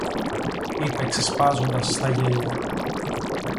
είπε ξεσπάζοντας στα γέλια.